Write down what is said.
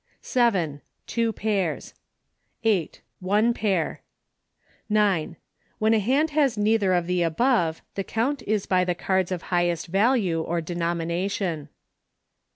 7. Two pairs. 8. One pair. 9. When a hand has neither of the above, the count is by the cards of highest value or denomination.